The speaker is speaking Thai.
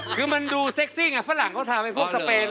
คือมันดูเซ็กซี่ไงฝรั่งเขาทำให้พวกสเปน